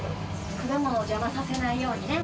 果物を邪魔させないようにね。